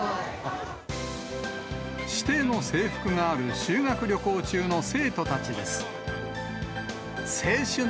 指定の制服がある修学旅行中の生徒たちです。